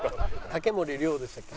竹森リョウでしたっけ？